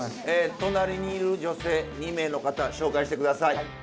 隣にいる女性２名の方紹介して下さい。